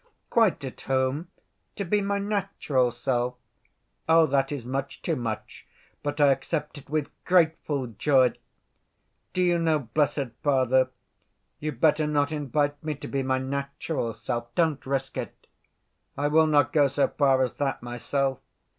"Quite at home? To be my natural self? Oh, that is much too much, but I accept it with grateful joy. Do you know, blessed Father, you'd better not invite me to be my natural self. Don't risk it.... I will not go so far as that myself.